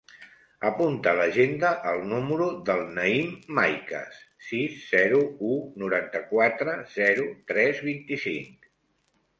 Apunta a l'agenda el número del Naïm Maicas: sis, zero, u, noranta-quatre, zero, tres, vint-i-cinc.